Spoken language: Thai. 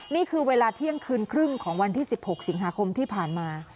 นี่คือเวลาเที่ยงคืนครึ่งของวันที่๑๖สิงหาคมที่ผ่านมา